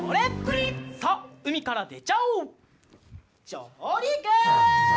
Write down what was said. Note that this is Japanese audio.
じょうりく！